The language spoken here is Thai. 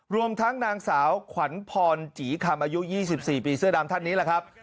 รวมทั้งนางสาวขวัญพรจีคำอายุ๒๔ปีเสื้อดำท่านนี้แหละครับ